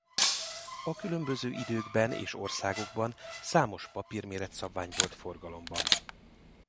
A különböző időkben és országokban számos papírméret-szabvány volt forgalomban.